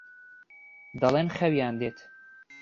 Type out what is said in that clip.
دەڵێن خەویان دێت.